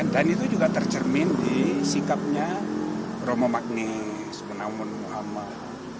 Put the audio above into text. dan itu juga tercermin di sikapnya romo magnis menamun muhammad